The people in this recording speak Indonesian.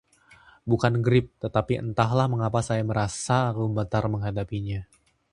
bukan grip, tetapi entahlah mengapa saya gemetar menghadapinya